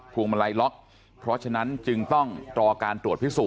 วงมาลัยล็อกเพราะฉะนั้นจึงต้องรอการตรวจพิสูจ